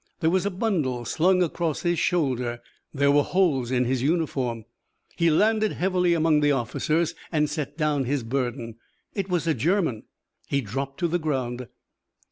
There was a bundle slung across his shoulder. There were holes in his uniform. He landed heavily among the officers and set down his burden. It was a German. He dropped to the ground.